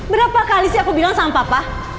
berapa kali sih aku bilang sama papa